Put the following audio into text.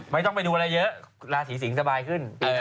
ไม่ต้องไปดูอะไรเยอะราศีสิงศ์สบายขึ้น